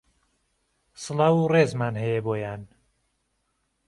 سڵاو و رێزمان هەیە بۆیان